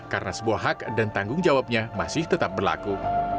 karena sebuah hak dan tanggung jawabnya masih tetap berlaku